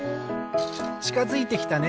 ちかづいてきたね。